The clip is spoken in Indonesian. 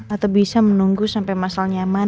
atau bisa menunggu sampai masal nyaman